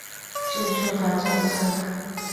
救救他这一次吧